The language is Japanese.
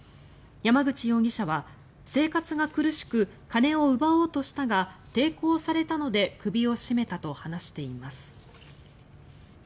山口容疑者は、生活が苦しく金を奪おうとしたが抵抗されたので首を絞めたと話しています。